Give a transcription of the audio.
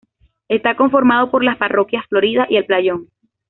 Está conformado por las parroquias Florida y El Playón.